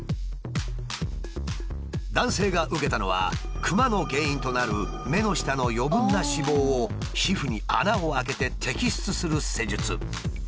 男性が受けたのはクマの原因となる目の下の余分な脂肪を皮膚に穴を開けて摘出する施術。